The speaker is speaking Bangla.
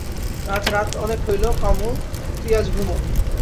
আজ রাত অনেক হইল, কমল, তুই আজ ঘুমো।